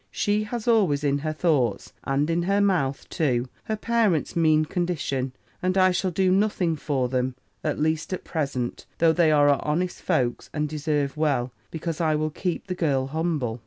She has always in her thoughts, and in her mouth, too, her parents' mean condition, and I shall do nothing for them, at least at present, though they are honest folks, and deserve well, because I will keep the girl humble.'